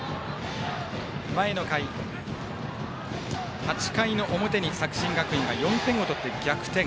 前の回、８回の表に作新学院が４点を取って逆転。